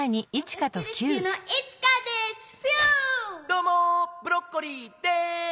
どうもブロッコリーです。